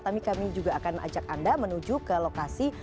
tapi kami juga akan ajak anda menuju ke lokasi